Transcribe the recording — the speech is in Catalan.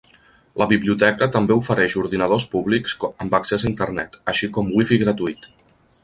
La biblioteca també ofereix ordinadors públics amb accés a Internet, així com wifi gratuït.